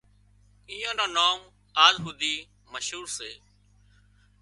اينئان نام آز هوڌي مشهور سي